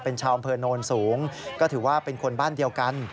เป็นชาวอำเภอโนนสูงก็ถือว่าเป็นคนบ้านเดียวกัน